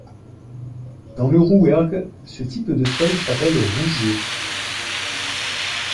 Dans le Rouergue ce type de sol s'appelle rougier.